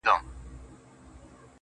درته به وايي ستا د ښاريې سندري,